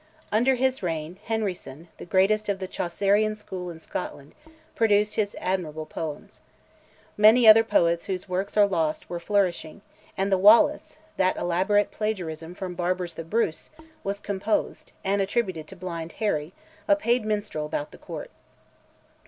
Under his reign, Henryson, the greatest of the Chaucerian school in Scotland, produced his admirable poems. Many other poets whose works are lost were flourishing; and The Wallace, that elaborate plagiarism from Barbour's 'The Brus,' was composed, and attributed to Blind Harry, a paid minstrel about the Court.